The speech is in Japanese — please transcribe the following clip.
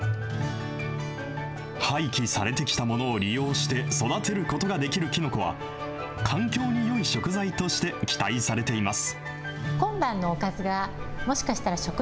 廃棄されてきたものを利用して、育てることができるきのこは、環境にいい食材として期待されています。